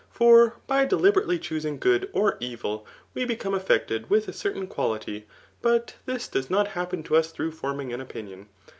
For by deliberately choosing good or evil, we be come affected with a certain quality ; but this does not happen to us through forming an opinion.